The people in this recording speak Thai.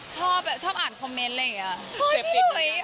ชอบชอบอ่านคอมเมนต์อะไรอย่างนี้